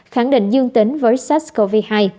khẳng định dương tính với sars cov hai